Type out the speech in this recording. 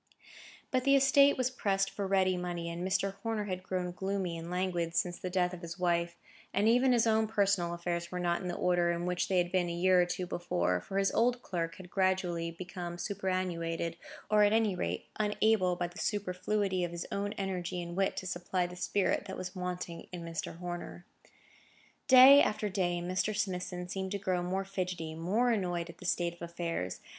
But the estate was pressed for ready money, and Mr. Horner had grown gloomy and languid since the death of his wife, and even his own personal affairs were not in the order in which they had been a year or two before, for his old clerk had gradually become superannuated, or, at any rate, unable by the superfluity of his own energy and wit to supply the spirit that was wanting in Mr. Horner. Day after day Mr. Smithson seemed to grow more fidgety, more annoyed at the state of affairs.